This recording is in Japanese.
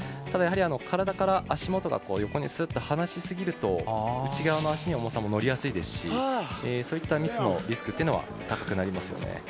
ただやはり、体から足元が横に、スッと離し過ぎると内側の足に重さも乗りやすいですしそういったミスのリスクは高くなりますよね。